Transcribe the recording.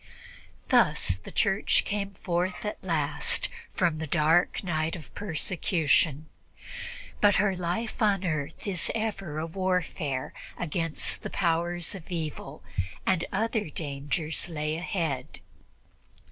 Thus the Church came forth at last from the dark night of persecution, but her life on earth is ever a warfare against the powers of evil, and other dangers lay ahead.